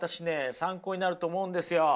参考になると思うんですよ。